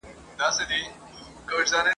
واورۍ له ارغند تر اباسین پوري پرتو خلکو ..